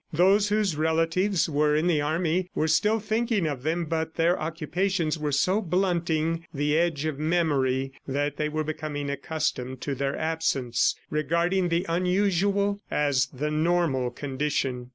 Those whose relatives were in the army, were still thinking of them, but their occupations were so blunting the edge of memory, that they were becoming accustomed to their absence, regarding the unusual as the normal condition.